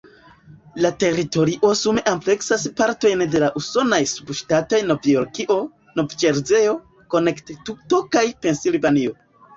La teritorio sume ampleksas partojn de la usonaj subŝtatoj Novjorkio, Nov-Ĵerzejo, Konektikuto kaj Pensilvanio.